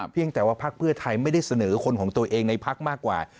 เพียงแต่ว่าพักเพื่อไทยไม่ได้เสนอคนของตัวเองในพักมากกว่า